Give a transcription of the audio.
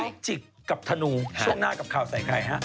พี่จิบกับธนูช่วงหน้ากับข่าวใส่ใครครับ